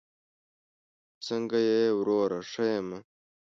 څنګه یې وروره؟ ښه یمه